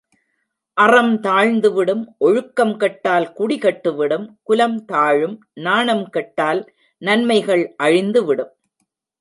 அறம் தாழ்ந்துவிடும் ஒழுக்கம் கெட்டால் குடி கெட்டுவிடும் குலம் தாழும் நாணம் கெட்டால் நன்மைகள் அழிந்து விடும்.